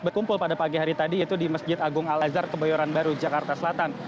berkumpul pada pagi hari tadi yaitu di masjid agung al azhar kebayoran baru jakarta selatan